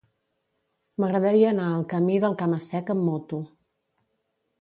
M'agradaria anar al camí del Cama-sec amb moto.